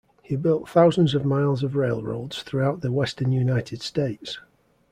He built thousands of miles of railroads throughout the Western United States.